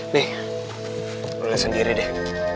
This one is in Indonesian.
nih gue liat sendiri deh